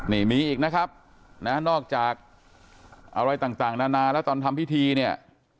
นี่มีอีกนะครับนะนอกจากอะไรต่างนานาแล้วตอนทำพิธีเนี่ย